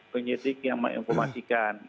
penyidik yang menginformasikan